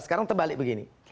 sekarang terbalik begini